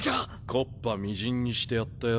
木っ端みじんにしてやったよ。